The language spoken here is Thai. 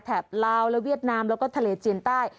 ลาวและเวียดนามแล้วก็ทะเลจีนใต้